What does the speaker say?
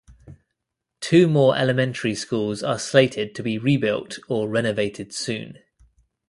Two more elementary schools are slated to be rebuilt or renovated soon.